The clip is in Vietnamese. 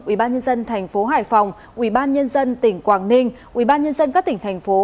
ubnd thành phố hải phòng ubnd tỉnh quảng ninh ubnd các tỉnh thành phố